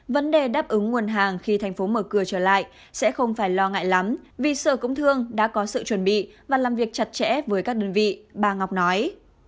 vấn đề đáp ứng nguồn hàng khi thành phố mở cửa trở lại sẽ không phải lo ngại lắm vì sở công thương đã có sự chuẩn bị và làm việc chặt chẽ với các đơn vị bà ngọc nói